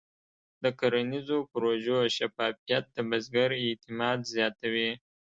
د کرنیزو پروژو شفافیت د بزګر اعتماد زیاتوي.